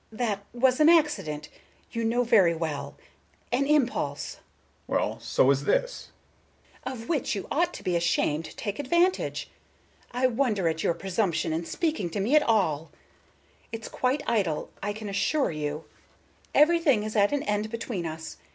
Miss Galbraith: "That was an accident, you know very well,—an impulse"— Mr. Richards: "Well, so is this." Miss Galbraith: "Of which you ought to be ashamed to take advantage. I wonder at your presumption in speaking to me at all. It's quite idle, I can assure you. Everything is at an end between us.